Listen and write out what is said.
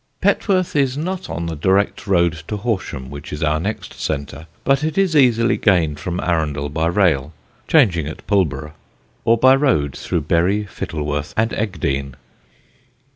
Petworth is not on the direct road to Horsham, which is our next centre, but it is easily gained from Arundel by rail (changing at Pulborough), or by road through Bury, Fittleworth, and Egdean.